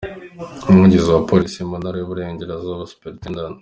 Umuvugizi wa Polisi mu ntara y’Uburengerazuba, Supt.